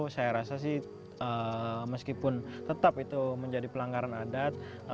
saya rasa sih meskipun tetap itu menjadi pelanggaran adat